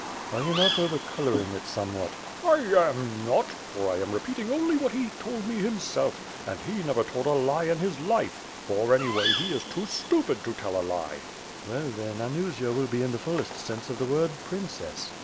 "Are you not over coloring it somewhat?" "I am not; for I am repeating only what he told me him self, and he never told a lie in his life, for anyway he is too stupid to tell a lie." "Well, then Anusia will be in the fullest sense of the word princess.